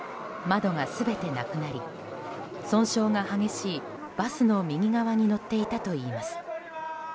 窓が全てなくなり損傷が激しいバスの右側に乗っていたといいます。